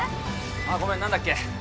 ああごめん何だっけ？